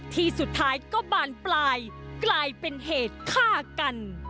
ที่สุดท้ายก็บานปลายกลายเป็นเหตุฆ่ากัน